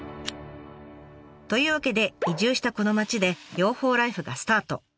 というわけで移住したこの町で養蜂ライフがスタート！